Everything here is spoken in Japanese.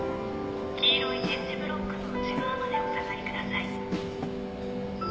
黄色い点字ブロックの内側までお下がりください。